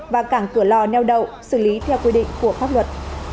và cảng cửa lò neo đậu xử lý theo quy định của pháp luật